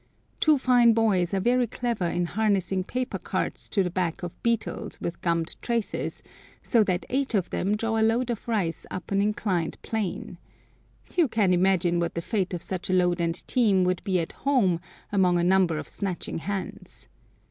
Two fine boys are very clever in harnessing paper carts to the backs of beetles with gummed traces, so that eight of them draw a load of rice up an inclined plane. You can imagine what the fate of such a load and team would be at home among a number of snatching hands.